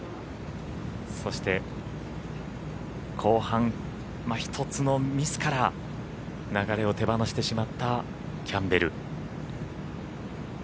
そして後半、１つのミスから流れを手放してしまったキャンベル。